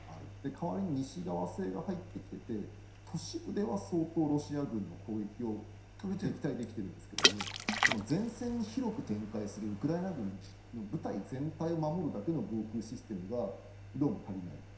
代わりに西側製が入ってきていて都市部では相当ロシア軍の攻撃を撃退できているんですが前線に広く展開するウクライナ軍の部隊全体を守るだけの防空システムがどうも足りないと。